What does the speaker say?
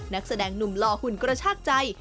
นักแสดงหนุ่มหล่อหุ่นกระชากใจ